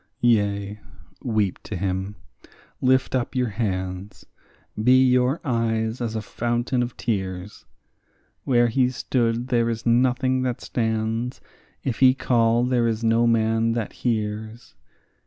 Yea, weep to him, lift up your hands; be your eyes as a fountain of tears; Where he stood there is nothing that stands; if he call, there is no man that hears.